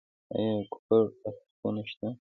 آیا کوپراتیفونه شته؟